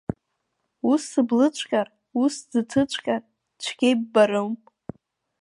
Ус сыблыҵәҟьар, ус сӡыҭыҵәҟьар, цәгьа иббарым…